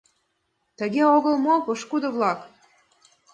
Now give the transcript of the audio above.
Тыге огыл мо, пошкудо-влак?